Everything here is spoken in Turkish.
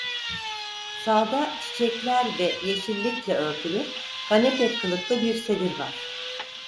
Sağda çiçekler ve yeşillikle örtülü kanepe kılıklı bir sedir var.